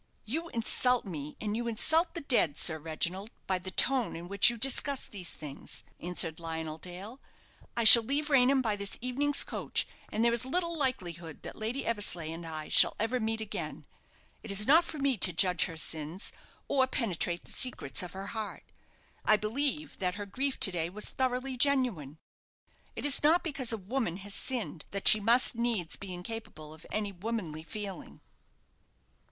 "You insult me, and you insult the dead, Sir Reginald, by the tone in which you discuss these things," answered Lionel Dale. "I shall leave Raynham by this evening's coach, and there is little likelihood that Lady Eversleigh and I shall ever meet again. It is not for me to judge her sins, or penetrate the secrets of her heart. I believe that her grief to day was thoroughly genuine. It is not because a woman has sinned that she must needs be incapable of any womanly feeling."